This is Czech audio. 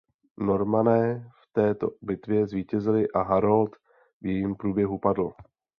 Normané v této bitvě zvítězili a Harold v jejím průběhu padl.